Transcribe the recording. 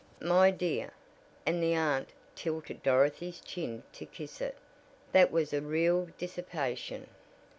"My dear," and the aunt tilted Dorothy's chin to kiss it, "that was a real dissipation.